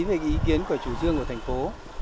về ý kiến của chủ trường của thành phố